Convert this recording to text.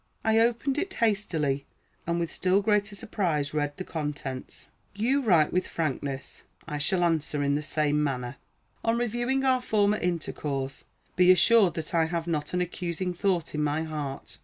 I opened it hastily, and with still greater surprise read the contents. You write with frankness; I shall answer in the same manner. On reviewing our former intercourse, be assured that I have not an accusing thought in my heart.